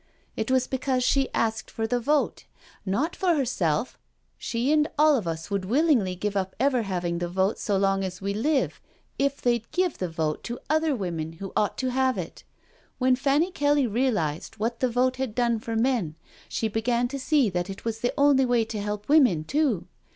It was because she asked for the vote — not for herself, she and all of us would willingly give up ever having the vote so long as we live, if they'd give the vote to other women who ought to have it. When Fanny Kelly realised what the vote had done for men, she began to see that it was the only way to help women, too.